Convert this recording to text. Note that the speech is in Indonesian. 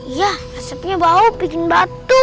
iya asapnya bau bikin batu